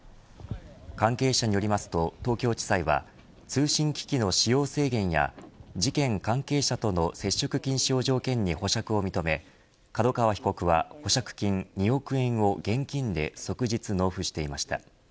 関係者によりますと、東京地裁は通信機器の使用制限や事件関係者との接触禁止を条件に保釈を認め角川被告は保釈金２億円を現金で即日納付していました。